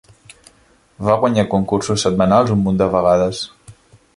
Va guanyar concursos setmanals un munt de vegades.